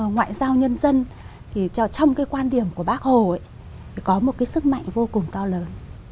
ngoại giao nhân dân trong quan điểm của bác hồ có một sức mạnh vô cùng cao lớn